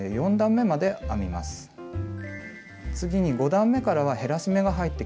次に５段めからは減らし目が入ってきます。